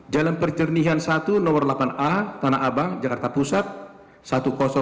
jalan perternihan satu nomor delapan a tanah abang jakarta pusat sepuluh ribu dua ratus sepuluh mp bapak jeffrey r p s a